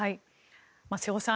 瀬尾さん